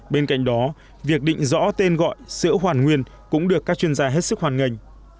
bên cạnh đó việc định rõ tên gọi sữa hoàn nguyên cũng được các chuyên gia đồng ý